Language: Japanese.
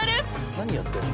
何やってんの？